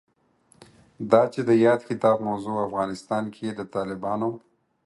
دا چې د یاد کتاب موضوع افغانستان کې د طالبانو